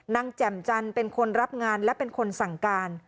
แจ่มจันทร์เป็นคนรับงานและเป็นคนสั่งการ